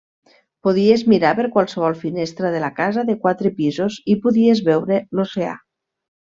Podies mirar per qualsevol finestra de la casa de quatre pisos i podies veure l'oceà.